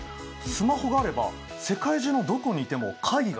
スマホがあれば世界中のどこにいても会議ができちゃう。